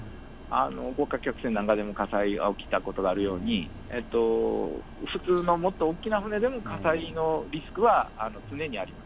豪華客船なんかでも火災が起きたことがあるように、普通のもっと大きな船でも火災のリスクは常にあります。